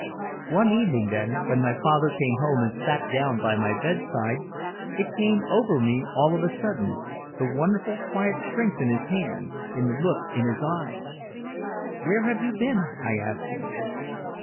"One evening then when my father came home and sat down by my bedside it came over me all of a sudden the wonderful quiet strength in his hand, in the look of his eyes. "'Where have you been?' I asked him.